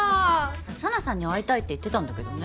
紗菜さんには会いたいって言ってたんだけどね。